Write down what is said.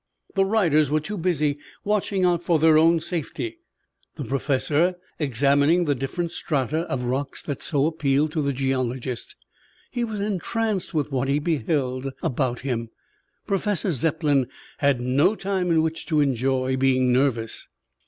The riders were too busy watching out for their own safety, the Professor, examining the different strata of rocks that so appeal to the geologist. He was entranced with what he beheld about him. Professor Zepplin had no time in which to enjoy being nervous.